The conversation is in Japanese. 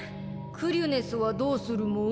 クリュネスはどうするモォ？